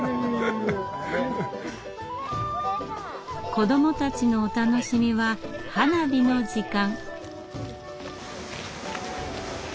子どもたちのお楽しみは花火の時間。